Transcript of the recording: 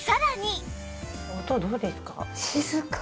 音どうですか？